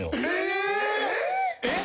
えっ！？